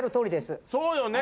そうよね？